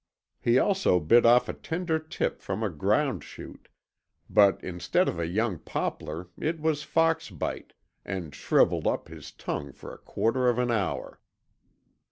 He also bit off a tender tip from a ground shoot, but instead of a young poplar it was Fox bite, and shrivelled up his tongue for a quarter of an hour.